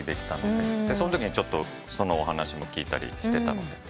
そのときにちょっとそのお話も聞いたりしてたので。